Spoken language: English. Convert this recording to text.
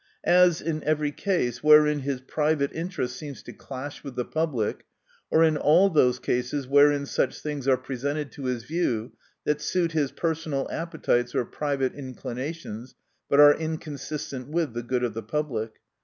As, in every case wherein his private interest seems to clash with the public ; or in all those cases wherein such things are presented to his view, that suit his personal appetites or private inclinations, but are inconsistent with the good of the public.